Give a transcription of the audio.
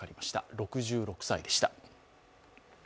６６歳でした。